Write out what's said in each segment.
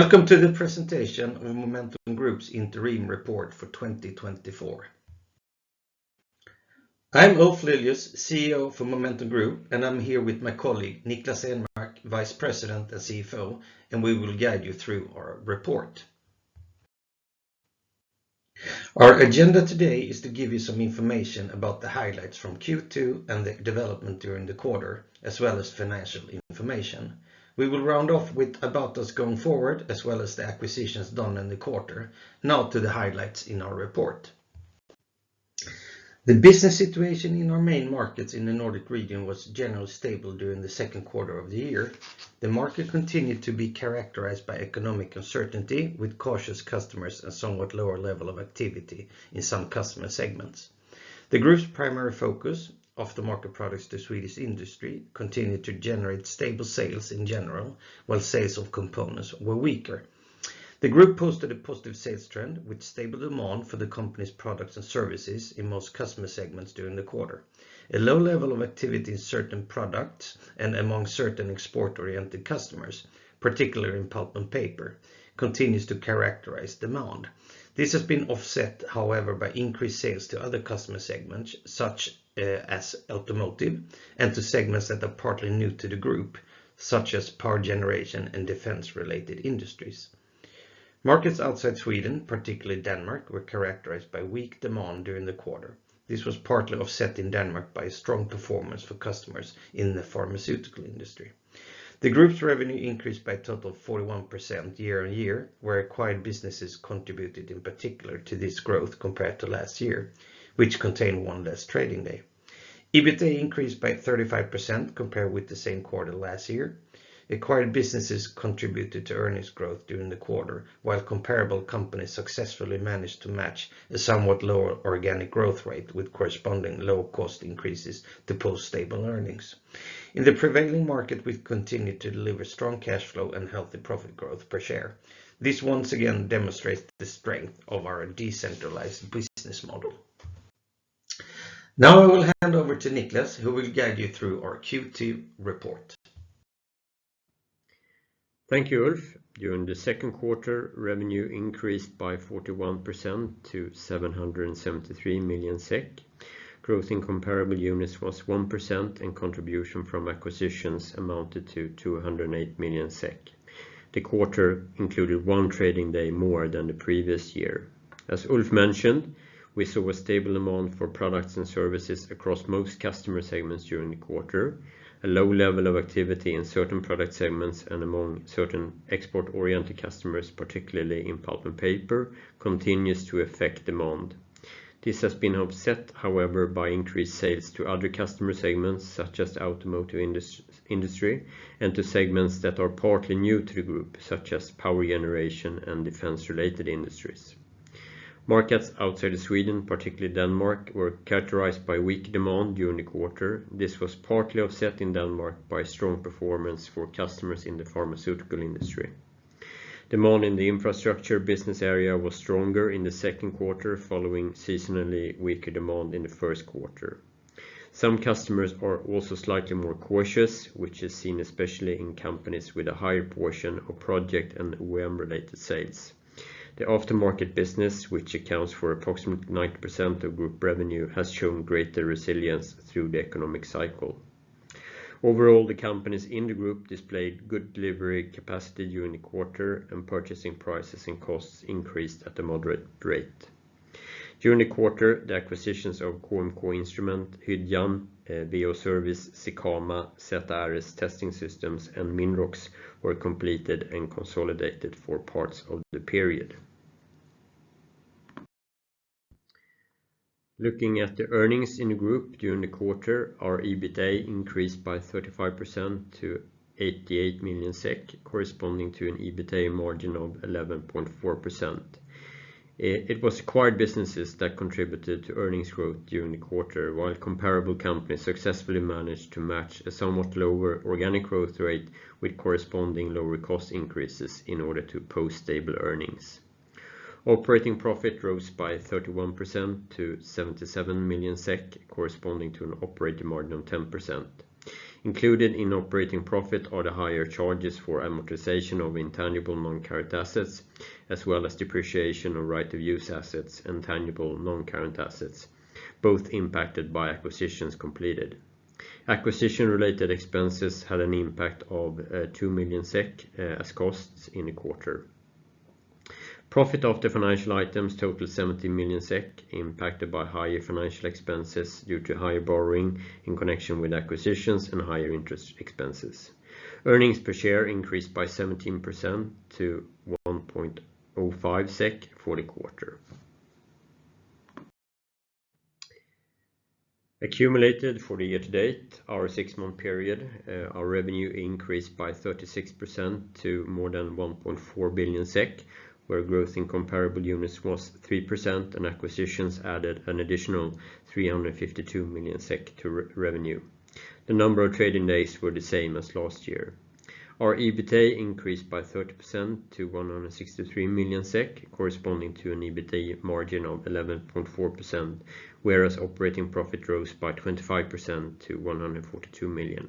Welcome to the presentation of Momentum Group's interim report for 2024. I'm Ulf Lilius, CEO for Momentum Group, and I'm here with my colleague, Niklas Enmark, Vice President and CFO, and we will guide you through our report. Our agenda today is to give you some information about the highlights from Q2 and the development during the quarter, as well as financial information. We will round off with about us going forward, as well as the acquisitions done in the quarter. Now to the highlights in our report. The business situation in our main markets in the Nordic region was generally stable during the second quarter of the year. The market continued to be characterized by economic uncertainty, with cautious customers and somewhat lower level of activity in some customer segments. The group's primary focus, aftermarket products to Swedish industry, continued to generate stable sales in general, while sales of components were weaker. The group posted a positive sales trend with stable demand for the company's products and services in most customer segments during the quarter. A low level of activity in certain products and among certain export-oriented customers, particularly in pulp and paper, continues to characterize demand. This has been offset, however, by increased sales to other customer segments, such as automotive, and to segments that are partly new to the group, such as power generation and defense-related industries. Markets outside Sweden, particularly Denmark, were characterized by weak demand during the quarter. This was partly offset in Denmark by a strong performance for customers in the pharmaceutical industry. The group's revenue increased by a total of 41% year-over-year, where acquired businesses contributed in particular to this growth compared to last year, which contained one less trading day. EBITA increased by 35% compared with the same quarter last year. Acquired businesses contributed to earnings growth during the quarter, while comparable companies successfully managed to match a somewhat lower organic growth rate with corresponding lower cost increases to post stable earnings. In the prevailing market, we've continued to deliver strong cash flow and healthy profit growth per share. This once again demonstrates the strength of our decentralized business model. Now, I will hand over to Niklas, who will guide you through our Q2 report. Thank you, Ulf. During the second quarter, revenue increased by 41% to 773 million SEK. Growth in comparable units was 1%, and contribution from acquisitions amounted to 208 million SEK. The quarter included one trading day more than the previous year. As Ulf mentioned, we saw a stable demand for products and services across most customer segments during the quarter. A low level of activity in certain product segments and among certain export-oriented customers, particularly in pulp and paper, continues to affect demand. This has been offset, however, by increased sales to other customer segments, such as the automotive industry, and to segments that are partly new to the group, such as power generation and defense-related industries. Markets outside of Sweden, particularly Denmark, were characterized by weak demand during the quarter. This was partly offset in Denmark by strong performance for customers in the pharmaceutical industry. Demand in the infrastructure business area was stronger in the second quarter, following seasonally weaker demand in the first quarter. Some customers are also slightly more cautious, which is seen especially in companies with a higher portion of project and OEM-related sales. The aftermarket business, which accounts for approximately 90% of group revenue, has shown greater resilience through the economic cycle. Overall, the companies in the group displayed good delivery capacity during the quarter, and purchasing prices and costs increased at a moderate rate. During the quarter, the acquisitions of KmK Instrument, Hydjan, WH-Service, Sikama, ZRS Testing Systems, and Minrox were completed and consolidated for parts of the period. Looking at the earnings in the group during the quarter, our EBITA increased by 35% to 88 million SEK, corresponding to an EBITA margin of 11.4%. It was acquired businesses that contributed to earnings growth during the quarter, while comparable companies successfully managed to match a somewhat lower organic growth rate with corresponding lower cost increases in order to post stable earnings. Operating profit rose by 31% to 77 million SEK, corresponding to an operating margin of 10%. Included in operating profit are the higher charges for amortization of intangible non-current assets, as well as depreciation of right-to-use assets and tangible non-current assets, both impacted by acquisitions completed. Acquisition-related expenses had an impact of 2 million SEK as costs in the quarter. Profit after financial items totaled 70 million SEK, impacted by higher financial expenses due to higher borrowing in connection with acquisitions and higher interest expenses. Earnings per share increased by 17% to 1.05 SEK for the quarter. Accumulated for the year to date, our six-month period, our revenue increased by 36% to more than 1.4 billion SEK, where growth in comparable units was 3%, and acquisitions added an additional 352 million SEK to revenue. The number of trading days were the same as last year. Our EBITA increased by 30% to 163 million SEK, corresponding to an EBITA margin of 11.4%, whereas operating profit rose by 25% to 142 million,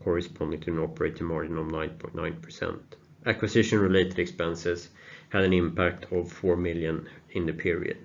corresponding to an operating margin of 9.9%. Acquisition-related expenses had an impact of 4 million in the period.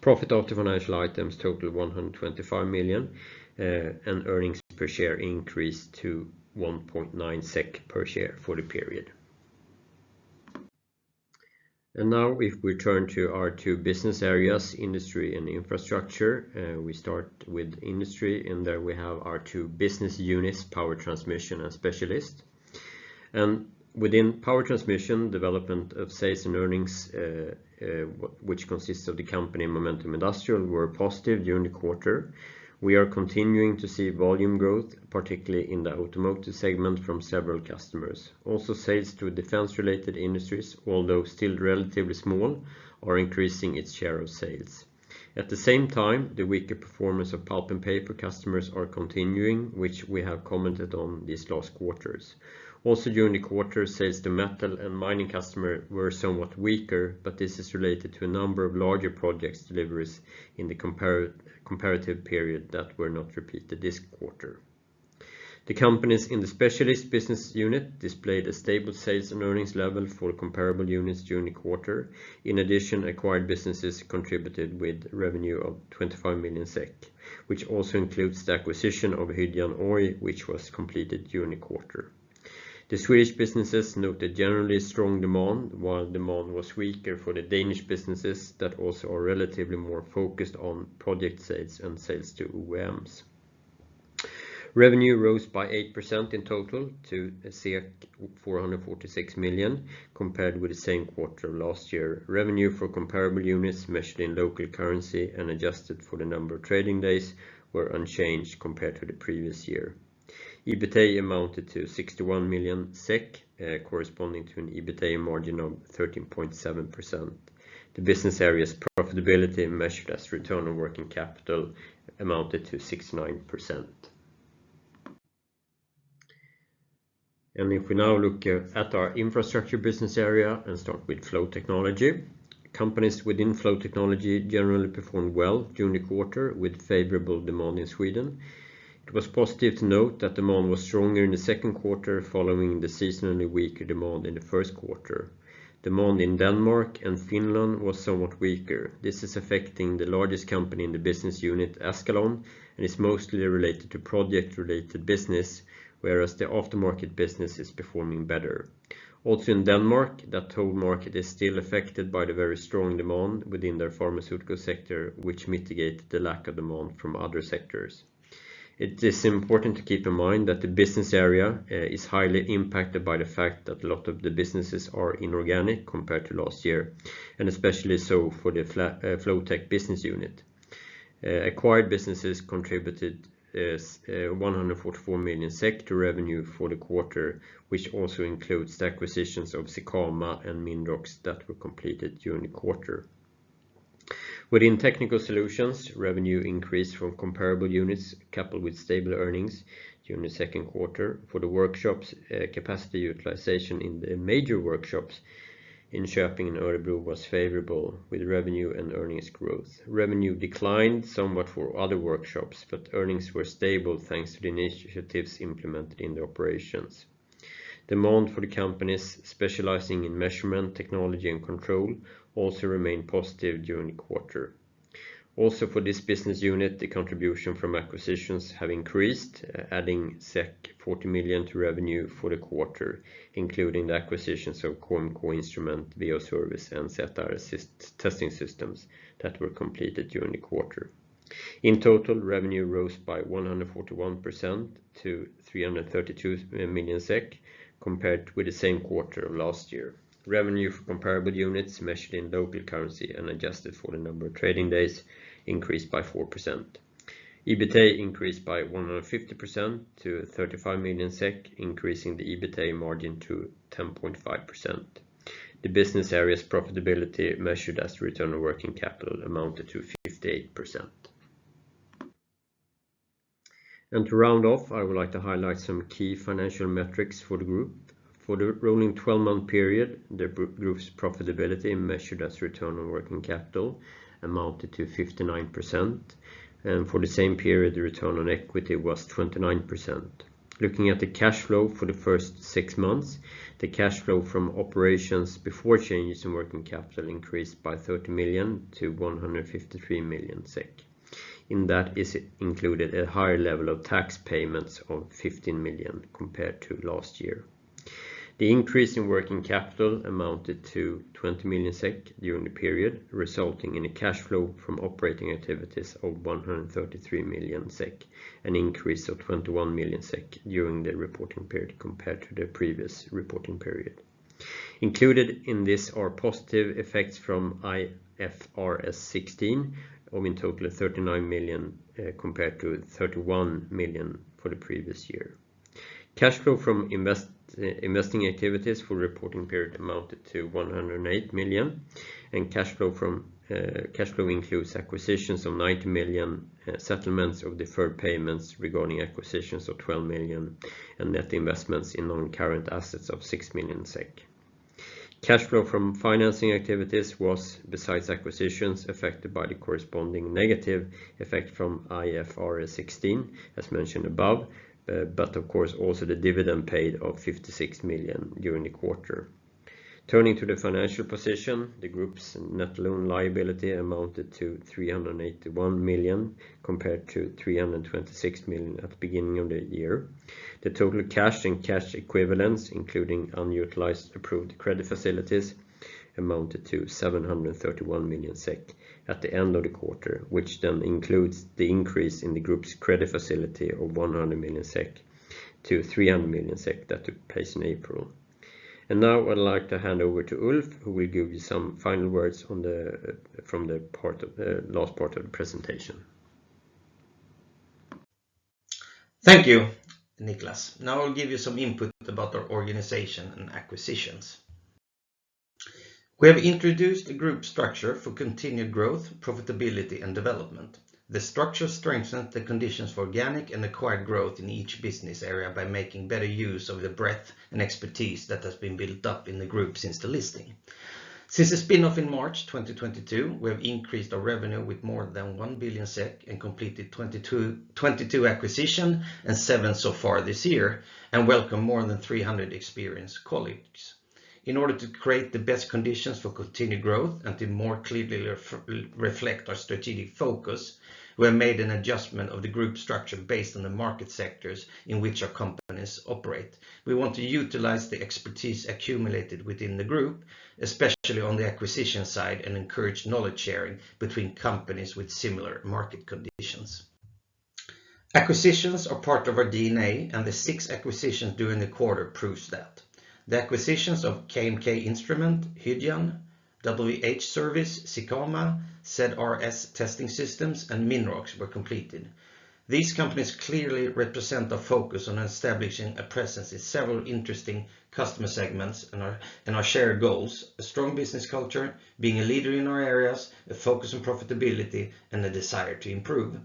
Profit after financial items totaled 125 million, and earnings per share increased to 1.9 SEK per share for the period. And now if we turn to our two business areas, Industry and Infrastructure, we start with Industry, and there we have our two business units, Power Transmission and Specialist. And within Power Transmission, development of sales and earnings, which consists of the company Momentum Industrial, were positive during the quarter. We are continuing to see volume growth, particularly in the automotive segment, from several customers. Also, sales to defense-related industries, although still relatively small, are increasing its share of sales. At the same time, the weaker performance of pulp and paper customers are continuing, which we have commented on these last quarters. Also, during the quarter, sales to metal and mining customer were somewhat weaker, but this is related to a number of larger projects deliveries in the comparative period that were not repeated this quarter. The companies in the Specialist business unit displayed a stable sales and earnings level for comparable units during the quarter. In addition, acquired businesses contributed with revenue of 25 million SEK, which also includes the acquisition of Hydjan Oy, which was completed during the quarter. The Swedish businesses noted generally strong demand, while demand was weaker for the Danish businesses that also are relatively more focused on project sales and sales to OEMs. Revenue rose by 8% in total to 446 million, compared with the same quarter of last year. Revenue for comparable units, measured in local currency and adjusted for the number of trading days, were unchanged compared to the previous year. EBITA amounted to 61 million SEK, corresponding to an EBITA margin of 13.7%. The business area's profitability, measured as return on working capital, amounted to 69%. If we now look at our infrastructure business area and start with Flow Technology, companies within Flow Technology generally performed well during the quarter, with favorable demand in Sweden. It was positive to note that demand was stronger in the second quarter, following the seasonally weaker demand in the first quarter. Demand in Denmark and Finland was somewhat weaker. This is affecting the largest company in the business unit, Askalon, and is mostly related to project-related business, whereas the aftermarket business is performing better. Also, in Denmark, that whole market is still affected by the very strong demand within their pharmaceutical sector, which mitigate the lack of demand from other sectors. It is important to keep in mind that the business area is highly impacted by the fact that a lot of the businesses are inorganic compared to last year, and especially so for the Flow Technology business unit. Acquired businesses contributed 144 million SEK to revenue for the quarter, which also includes the acquisitions of Sicama and Minrox that were completed during the quarter. Within Technical Solutions, revenue increased from comparable units, coupled with stable earnings during the second quarter. For the workshops, capacity utilization in the major workshops in Köping and Örebro was favorable, with revenue and earnings growth. Revenue declined somewhat for other workshops, but earnings were stable, thanks to the initiatives implemented in the operations. Demand for the companies specializing in measurement, technology, and control also remained positive during the quarter. Also, for this business unit, the contribution from acquisitions have increased, adding 40 million to revenue for the quarter, including the acquisitions of KmK Instrument, WH-Service, and ZRS Testing Systems that were completed during the quarter. In total, revenue rose by 141% to 332 million SEK compared with the same quarter of last year. Revenue for comparable units, measured in local currency and adjusted for the number of trading days, increased by 4%. EBITA increased by 150% to 35 million SEK, increasing the EBITA margin to 10.5%. The business area's profitability, measured as return on working capital, amounted to 58%. To round off, I would like to highlight some key financial metrics for the group. For the rolling twelve-month period, the group's profitability, measured as return on working capital, amounted to 59%, and for the same period, the return on equity was 29%. Looking at the cash flow for the first six months, the cash flow from operations before changes in working capital increased by 30 million to 153 million SEK. In that is included a higher level of tax payments of 15 million compared to last year. The increase in working capital amounted to 20 million SEK during the period, resulting in a cash flow from operating activities of 133 million SEK, an increase of 21 million SEK during the reporting period compared to the previous reporting period. Included in this are positive effects from IFRS 16, of in total of 39 million, compared to 31 million for the previous year. Cash flow from investing activities for reporting period amounted to 108 million, and cash flow includes acquisitions of 90 million, settlements of deferred payments regarding acquisitions of 12 million, and net investments in non-current assets of 6 million SEK. Cash flow from financing activities was, besides acquisitions, affected by the corresponding negative effect from IFRS 16, as mentioned above, but of course, also the dividend paid of 56 million during the quarter. Turning to the financial position, the group's net loan liability amounted to 381 million, compared to 326 million at the beginning of the year. The total cash and cash equivalents, including unutilized approved credit facilities, amounted to 731 million SEK at the end of the quarter, which then includes the increase in the group's credit facility of 100 million SEK to 300 million SEK that took place in April. And now I'd like to hand over to Ulf, who will give you some final words on the last part of the presentation. Thank you, Niklas. Now I'll give you some input about our organization and acquisitions. We have introduced a group structure for continued growth, profitability, and development. The structure strengthens the conditions for organic and acquired growth in each business area by making better use of the breadth and expertise that has been built up in the group since the listing. Since the spin-off in March 2022, we have increased our revenue with more than 1 billion SEK and completed 22 acquisitions and 7 so far this year, and welcomed more than 300 experienced colleagues. In order to create the best conditions for continued growth and to more clearly reflect our strategic focus, we have made an adjustment of the group structure based on the market sectors in which our companies operate. We want to utilize the expertise accumulated within the group, especially on the acquisition side, and encourage knowledge sharing between companies with similar market conditions. Acquisitions are part of our DNA, and the 6 acquisitions during the quarter proves that. The acquisitions of KMK Instrument, Hydjan, WH-Service, Sicama, ZRS Testing Systems, and Minrox were completed. These companies clearly represent our focus on establishing a presence in several interesting customer segments and our, and our shared goals, a strong business culture, being a leader in our areas, a focus on profitability, and a desire to improve.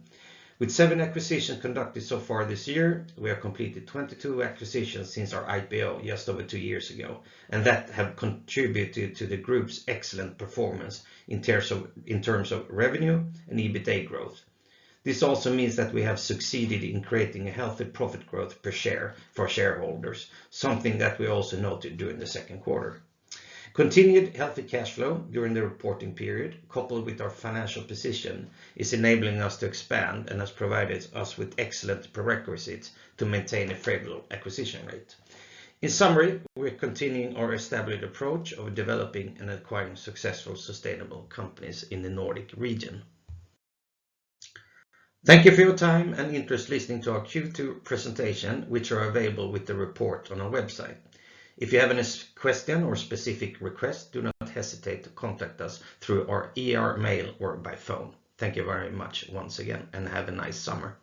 With 7 acquisitions conducted so far this year, we have completed 22 acquisitions since our IPO just over 2 years ago, and that have contributed to the group's excellent performance in terms of, in terms of revenue and EBITDA growth. This also means that we have succeeded in creating a healthy profit growth per share for shareholders, something that we also noted during the second quarter. Continued healthy cash flow during the reporting period, coupled with our financial position, is enabling us to expand and has provided us with excellent prerequisites to maintain a favorable acquisition rate. In summary, we're continuing our established approach of developing and acquiring successful, sustainable companies in the Nordic region. Thank you for your time and interest listening to our Q2 presentation, which are available with the report on our website. If you have any question or specific request, do not hesitate to contact us through our IR mail or by phone. Thank you very much once again, and have a nice summer.